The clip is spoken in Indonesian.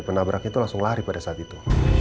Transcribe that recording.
penabrak itu langsung lari pada saat itu